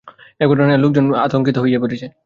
এ ঘটনায় এলাকার লোকজন আতঙ্কিত হয়ে পড়েছে।